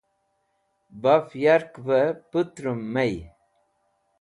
Baf yakvẽ pẽtrũm may